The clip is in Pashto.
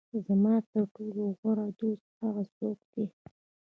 زما تر ټولو غوره دوست هغه څوک دی.